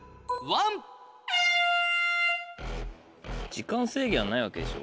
時間制限はないわけでしょ？